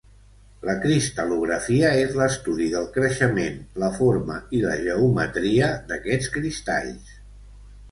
La cristal·lografia és l'estudi del creixement, la forma i la geometria d'aquests cristalls.